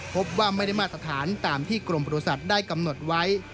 พบว่าไม่ได้มาสถานตามที่กรมประโยชน์ได้กำหนดไว้